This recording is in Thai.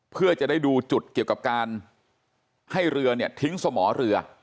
เพื่อจะได้ดูจุดเกี่ยวกับการให้เรือเนี่ยทิ้งสมอเรือ